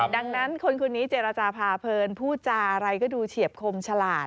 ดังนั้นคนคนนี้เจรจาพาเพลินพูดจาอะไรก็ดูเฉียบคมฉลาด